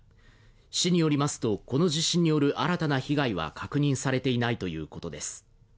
市によりますと、この地震による新たな被害は確認されていないということです。